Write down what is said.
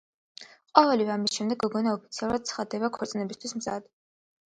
ყოველივე ამის შემდგომ, გოგონა ოფიციალურად ცხადდება ქორწინებისთვის მზად.